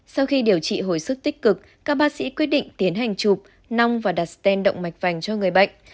sau khi điều trị hồi sức tích cực các bác sĩ quyết định tiến hành chụp nong và đặt sten động mạch vành cho người bệnh